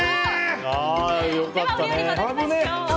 ではお料理戻りましょう。